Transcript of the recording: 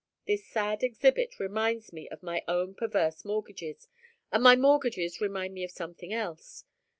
This sad exhibit reminds me of my own perverse mortgages, and my mortgages remind me of something else.